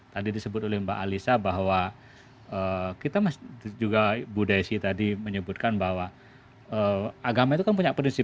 tadi disebut oleh mbak alisa bahwa kita juga bu desi tadi menyebutkan bahwa agama itu kan punya prinsip